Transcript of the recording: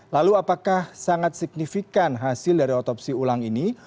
lalu apakah sangat signifikan hasil dari otopsi ulang ini